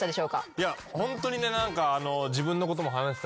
いやホントにね何か。